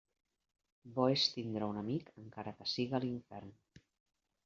Bo és tindre un amic encara que siga a l'infern.